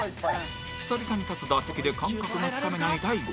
久々に立つ打席で感覚がつかめない大悟